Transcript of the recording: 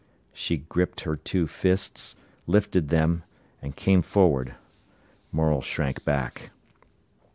She gripped her two fists, lifted them, and came forward. Morel shrank back.